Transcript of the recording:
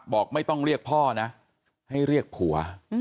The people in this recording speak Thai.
บอกไม่ต้องเรียกพ่อนะให้เรียกผัว